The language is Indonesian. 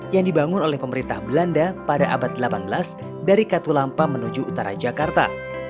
yang dibangun oleh pemerintah belanda pada abad delapan belas dari katulampa menuju utara jakarta